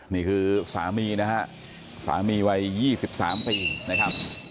นี่คือสามีนะฮะสามีวัย๒๓ปีนะครับ